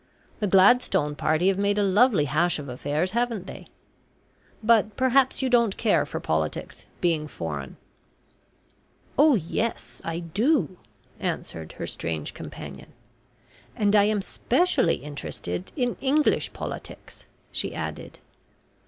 The Gladstone party have made a lovely hash of affairs haven't they? But perhaps you don't care for politics, being foreign." "Oh, yes, I do," answered her strange companion. "And I am specially interested in English politics," she added.